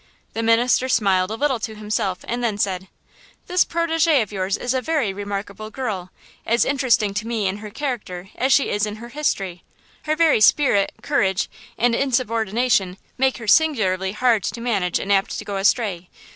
The minister smiled a little to himself and then said: "This protégé of yours is a very remarkable girl, as interesting to me in her character as she is in her history; her very spirit, courage and insubordination make her singularly hard to manage and apt to go astray.